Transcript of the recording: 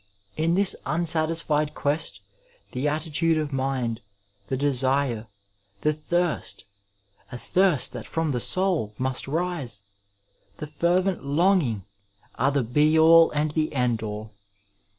In this unsatisfied quest the attitude of mind, the desire, the thirst — a thirst that from the soul must rise !— the fervent longing, are the be all and the end all.